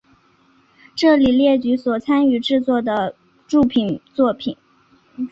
这里列举所参与制作的著名作品。